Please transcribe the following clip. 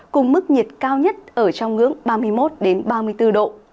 cùng mức nhiệt cao nhất ở trong ngưỡng ba mươi một ba mươi bốn độ